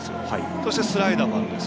そしてスライダーがあるんです。